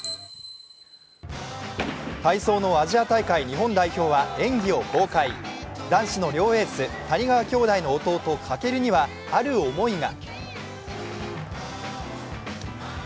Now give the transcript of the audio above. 体操のアジア大会日本代表は演技を公開男子の両エース、谷川兄弟の弟・翔にはある思いが。